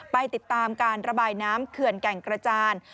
ไปติดตามการระบายน้ำเขื่อนแก่งกระจาน